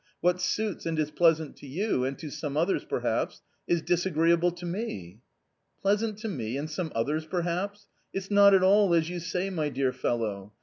What suits and is pleasant to you, and to some others perhaps, is disagreeable to me." " Pleasant to me and some others, perhaps." .... it's not at all as you say, my dear fellow